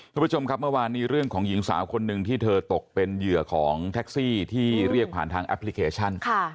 คุณผู้ชมครับเมื่อวานนี้เรื่องของหญิงสาวคนหนึ่งที่เธอตกเป็นเหยื่อของแท็กซี่ที่เรียกผ่านทางแอปพลิเคชัน